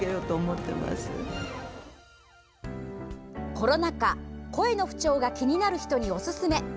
コロナ禍、声の不調が気になる人に、おすすめ。